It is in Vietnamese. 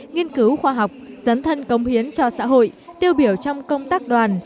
nghiên cứu khoa học dấn thân công hiến cho xã hội tiêu biểu trong công tác đoàn